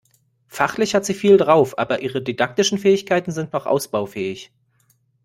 Fachlich hat sie viel drauf, aber ihre didaktischen Fähigkeiten sind noch ausbaufähig.